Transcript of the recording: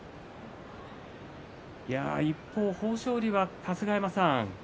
一方、豊昇龍は春日山さん